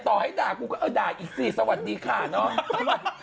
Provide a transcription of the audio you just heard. ต่อให้ด่ากูก็เออด่าอีกสิสวัสดีค่ะเนาะ